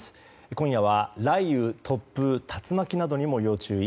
今夜は雷雨、突風竜巻などにも要注意。